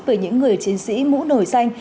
về những người chiến sĩ mũ nổi danh